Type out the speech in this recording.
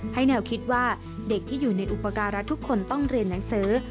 แนวคิดว่าเด็กที่อยู่ในอุปการะทุกคนต้องเรียนหนังสือ